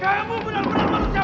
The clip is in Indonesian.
kamu benar benar manusia bodoh amri